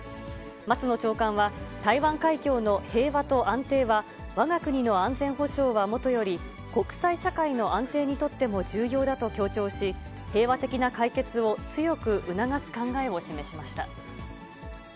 松野長官は、台湾海峡の平和と安定は、わが国の安全保障はもとより、国際社会の安定にとっても重要だと強調し、平和的な解決を強く促す考えを示しました。